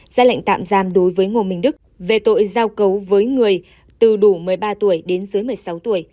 ra lệnh tạm giam đối với ngô minh đức về tội giao cấu với người từ đủ một mươi ba tuổi đến dưới một mươi sáu tuổi